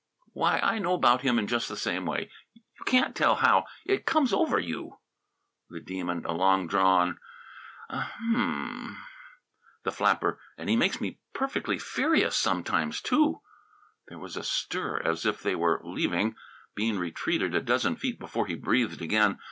"Why, I know about him in just the same way; you can't tell how. It comes over you!" The Demon: (A long drawn) "U u mm!" The flapper: "And he makes me perfectly furious sometimes, too!" There was a stir as if they were leaving. Bean retreated a dozen feet before he breathed again.